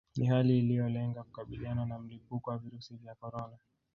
Ni hali iliolenga kukabiliana na mlipuko wa virusi vya corona